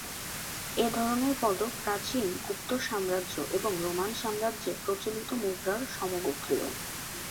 এ ধরনের পদক প্রাচীন গুপ্ত সাম্রাজ্য এবং রোমান সাম্রাজ্যে প্রচলিত মুদ্রার সমগোত্রীয়।